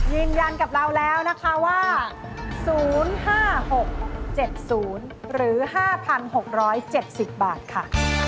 ยืนยันกับเราแล้วนะคะว่า๐๕๖๗๐หรือ๕๖๗๐บาทค่ะ